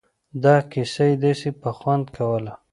دغه کيسه يې داسې په خوند کوله.